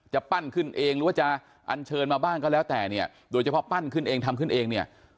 ปั้นขึ้นเองหรือว่าจะอันเชิญมาบ้างก็แล้วแต่เนี่ยโดยเฉพาะปั้นขึ้นเองทำขึ้นเองเนี่ย